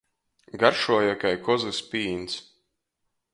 Garšuoja kai kozys pīns.